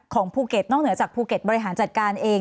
ภูเก็ตนอกเหนือจากภูเก็ตบริหารจัดการเอง